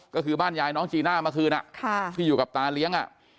ก็คือบ้านยายน้องจีน่าเมื่อคืนที่อยู่กับตาเลี้ยง